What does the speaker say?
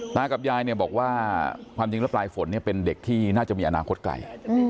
กับยายเนี่ยบอกว่าความจริงแล้วปลายฝนเป็นเด็กที่น่าจะมีอนาคตไกล